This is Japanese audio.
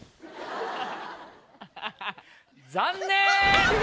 残念！